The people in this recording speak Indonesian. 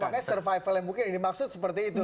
pokoknya survival yang mungkin ini maksud seperti itu